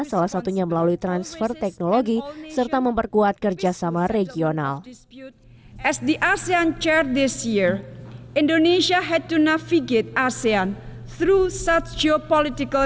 salah satunya melalui transfer teknologi serta memperkuat kerjasama regional